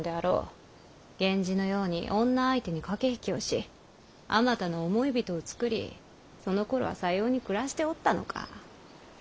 源氏のように女相手に駆け引きをしあまたの想い人を作りそのころはさように暮らしておったのか。